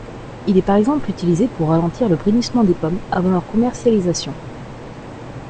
Il est par exemple utilisé pour ralentir le brunissement des pommes avant leur commercialisation.